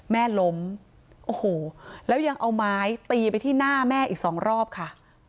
แม่ล้มโอ้โหแล้วยังเอาไม้ตีไปที่หน้าแม่อีกสองรอบค่ะ